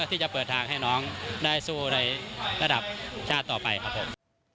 ที่จะเปิดทางให้น้องได้สู้ในระดับชาติต่อไปครับผม